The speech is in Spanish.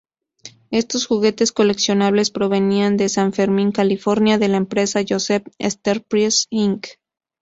Estos juguetes coleccionables provenían de San Fermín, California, de la empresa Joseph Enterprises, Inc.